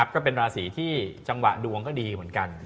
ก็เป็นราศีที่จังหวะดวงก็ดีเหมือนกัน